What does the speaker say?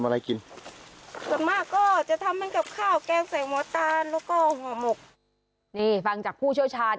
นี่ฟังจากผู้เชี่ยวชาญ